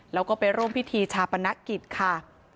แล้วก็ไปร่วมพิธีชาปนกิจค่ะ